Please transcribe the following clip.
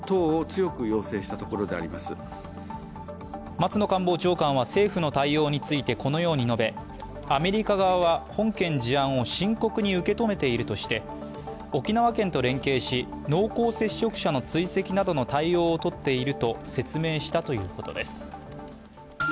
松野官房長官は政府の対応についてこのように述べ、アメリカ側は、本件事案を深刻に受け止めているとして沖縄県と連携し、濃厚接触者の追跡などの対応をとっていると説明したということです。